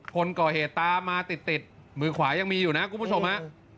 คนก่อเหตุตามมาติดติดมือขวายังมีอยู่นะคุณผู้ชมฮะ